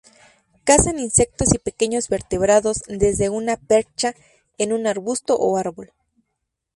Cazan insectos y pequeños vertebrados desde una percha en un arbusto o árbol.